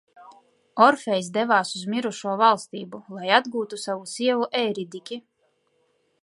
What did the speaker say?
Orfejs devās uz mirušo valstību, lai atgūtu savu sievu Eiridiki.